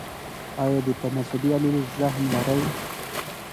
ایا د تناسلي آلې زخم لرئ؟